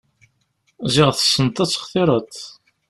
Ziɣ tessneḍ ad textireḍ.